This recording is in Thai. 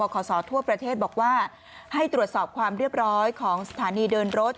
ขอสอทั่วประเทศบอกว่าให้ตรวจสอบความเรียบร้อยของสถานีเดินรถ